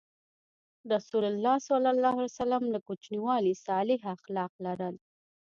رسول الله ﷺ له کوچنیوالي صالح اخلاق لرل.